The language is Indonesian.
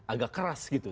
agak keras gitu